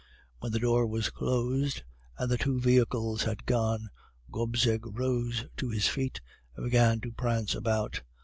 "When the door was closed, and the two vehicles had gone, Gobseck rose to his feet and began to prance about.